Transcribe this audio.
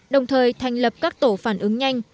đồng thời thành lập các tổ phản ứng nhanh